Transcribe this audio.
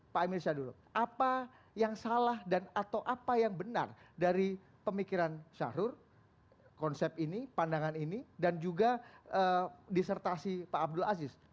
pak emil syah dulu apa yang salah dan atau apa yang benar dari pemikiran syahrul konsep ini pandangan ini dan juga disertasi pak abdul aziz